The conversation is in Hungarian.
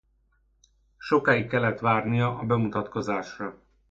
Sokáig kellett várnia a bemutatkozásra.